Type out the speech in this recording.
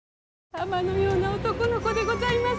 玉のような男の子でございます。